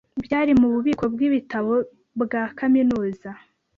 byari mu bubiko bw'ibitabo bwa kaminuza